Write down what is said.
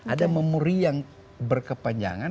ada memuri yang berkepanjangan